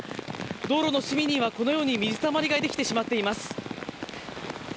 道路の隅には、このように水たまりができてしまっています。